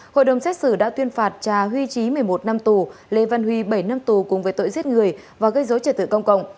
hội đồng xét xử đã tuyên phạt cha huy trí một mươi một năm tù lê văn huy bảy năm tù cùng với tội giết người và gây dối trật tự công cộng